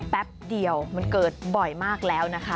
แป๊บเดียวมันเกิดบ่อยมากแล้วนะคะ